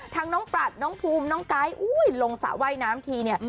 ทั้งน้องปรัสน้องภูมิน้องไกลน์โรงสาว่ายน้ำทีเนี่ย